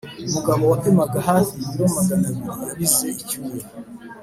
umugabo wapimaga hafi ibiro maganabiri yabize icyuya